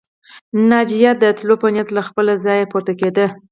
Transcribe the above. ناجيه د تلو په نيت له خپله ځايه پورته کېده